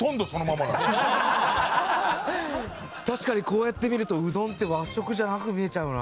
確かにこうやって見るとうどんって和食じゃなく見えちゃうな。